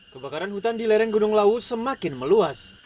kebakaran hutan di lereng gunung lawu semakin meluas